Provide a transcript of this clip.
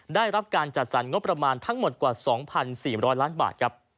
ได้รับการจัดสรรงบประมาณทั้งหมดกว่า๒๔๐๐ล้านบาทครับ